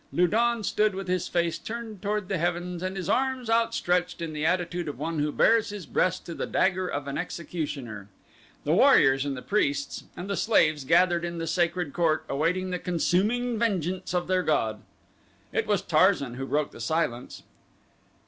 Lu don stood with his face turned toward the heavens and his arms outstretched in the attitude of one who bares his breast to the dagger of an executioner. The warriors and the priests and the slaves gathered in the sacred court awaited the consuming vengeance of their god. It was Tarzan who broke the silence.